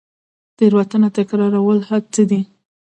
تیروتنه تکرارول څه دي؟